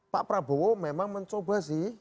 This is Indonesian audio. pak prabowo memang mencoba sih